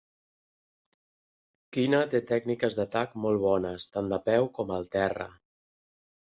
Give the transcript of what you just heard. Qinna té tècniques d"atac molt bones, tant de peu com al terra.